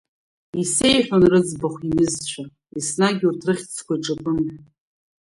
Исеиҳәон рыӡбахә иҩызцәа, Еснагь урҭ рыхьӡқәа иҿакын…